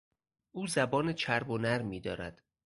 او زبان چرب و نرمی دارد.